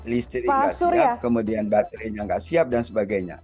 listrik nggak siap kemudian baterainya nggak siap dan sebagainya